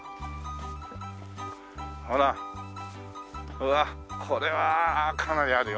うわっこれはかなりあるよ。